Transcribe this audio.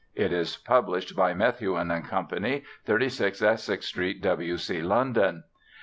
It is published by Methuen and Company, 36 Essex Street W. C., London.